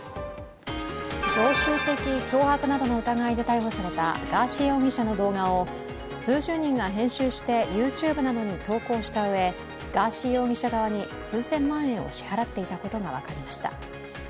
常習的脅迫などの疑いで逮捕されたガーシー容疑者の動画を数十人が編集してＹｏｕＴｕｂｅなどに投稿したうえガーシー容疑者側に数千万円を支払っていたことが分かりました。